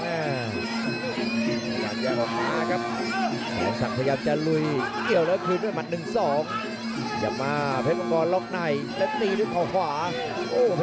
นี่มาเจอกับแสนสักตัวไอ้ซ้ายครับเดี๋ยวดูจะแพ้ประเภทตัวไอ้ซ้ายหรือเปล่าครับ